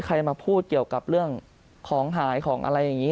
ใครมาพูดเกี่ยวกับเรื่องของหายของอะไรอย่างนี้